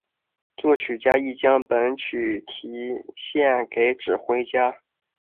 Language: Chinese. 作曲家亦将本曲题献给指挥家。